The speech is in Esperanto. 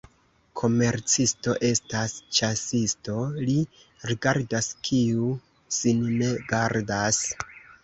Komercisto estas ĉasisto, li rigardas, kiu sin ne gardas.